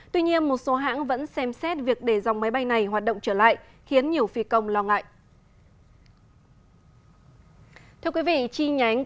tuy nhiên một số hãng vẫn xem xét việc để dòng máy bay này được phát triển